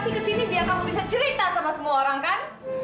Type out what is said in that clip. kamu bisa cerita sama semua orang kan